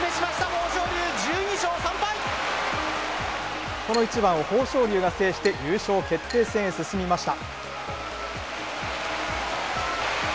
豊昇龍、１２勝３この一番を豊昇龍が制して、優勝決定戦へ進みました。